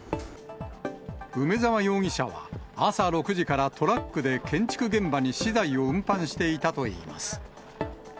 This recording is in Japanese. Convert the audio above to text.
梅沢容疑者は、朝６時からトラックで建築現場に資材を運搬していたといいます。